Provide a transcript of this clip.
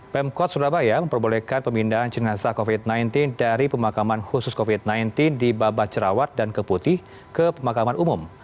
pemkot surabaya memperbolehkan pemindahan jenazah covid sembilan belas dari pemakaman khusus covid sembilan belas di babat cerawat dan keputih ke pemakaman umum